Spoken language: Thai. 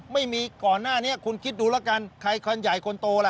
ไม่มีก่อนหน้านี้คุณคิดดูแล้วกันใครคนใหญ่คนโตล่ะ